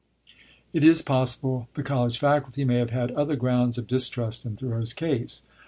It is possible the college faculty may have had other grounds of distrust in Thoreau's case.